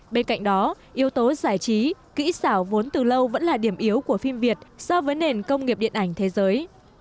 bên cạnh đó yếu tố giải trí kỹ xảo vốn từ lâu vẫn là điểm yếu của phim việt so với nền công nghiệp điện ảnh thế giới